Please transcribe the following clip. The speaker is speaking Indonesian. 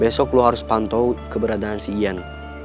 besok lo harus pantau keberadaan si ian